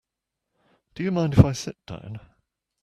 Do you mind if I sit down?